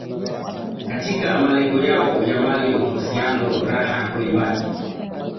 katika malengo yao ya mali uhusiano raha kulibaki